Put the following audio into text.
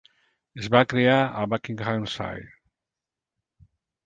Es va criar a Buckinghamshire.